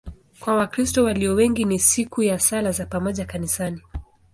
Kwa Wakristo walio wengi ni siku ya sala za pamoja kanisani.